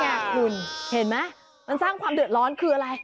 นี่คุณเห็นไหมมันสร้างความเดือดร้อนคืออะไร